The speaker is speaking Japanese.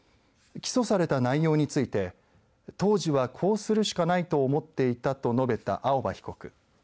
起訴された内容について当時はこうするしかないと思っていたと述べた青葉被告。